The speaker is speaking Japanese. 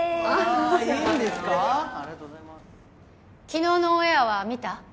昨日のオンエアは見た？